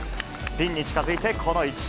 ピンに近づいてこの位置。